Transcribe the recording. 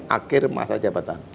akhir masa jabatan